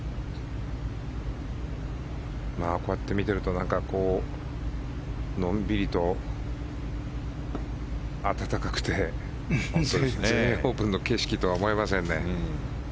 こうやって見ているとのんびりと暖かくて全英オープンの景色とは思えませんね。